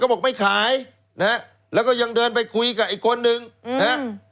บอกไม่ขายนะฮะแล้วก็ยังเดินไปคุยกับอีกคนนึงนะฮะ